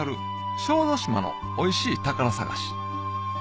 小豆島のおいしい宝探し